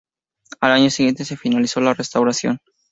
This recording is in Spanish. Al año siguiente se finalizó la restauración.